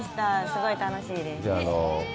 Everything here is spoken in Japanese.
すごい楽しいです。